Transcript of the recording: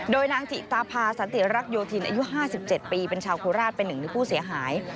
โดยนางถิตาพาสันติรักโยธินอายุ๕๗ปีเป็นชาวโคราชเป็นหนึ่งในผู้เสียหาย